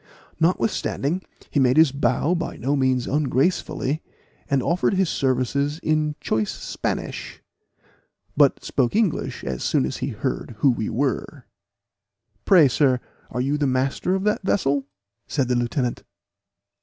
Notwithstanding, he made his bow by no means ungracefully, and offered his services in choice Spanish, but spoke English as soon as he heard who we were. "Pray, sir, are you the master of that vessel?" said the lieutenant.